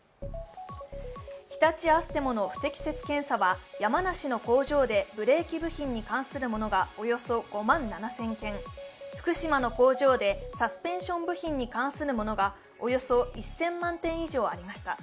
日立アステモの不適切検査は山梨の工場でブレーキ部品に関するものがおよそ５万７０００件、福島の工場でサスペンション部品に関するものがおよそ１０００万点以上ありました。